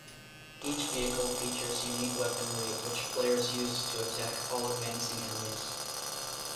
Each vehicle features unique weaponry, which players use to attack all advancing enemies.